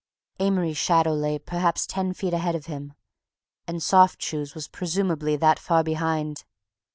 Amory's shadow lay, perhaps, ten feet ahead of him, and soft shoes was presumably that far behind.